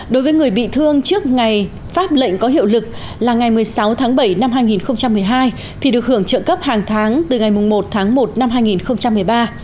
đối với người bị thương trước ngày pháp lệnh có hiệu lực là ngày một mươi sáu tháng bảy năm hai nghìn một mươi hai thì được hưởng trợ cấp hàng tháng từ ngày một tháng một năm hai nghìn một mươi ba